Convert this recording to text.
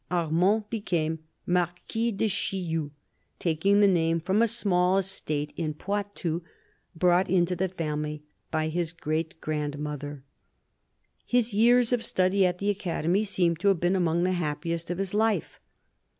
Armand became Marquis du Chillou, taking the name from a small estate in Poitou brought into the family by his great grand mother. His years of study at the Academy seem to have been among the happiest of his life.